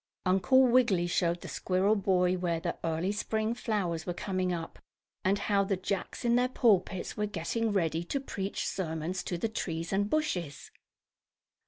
Uncle Wiggily showed the squirrel boy where the early spring flowers were coming up, and how the Jacks, in their pulpits, were getting ready to preach sermons to the trees and bushes.